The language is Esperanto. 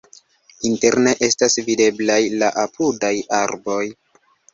Interne estas videblaj la apudaj arboj.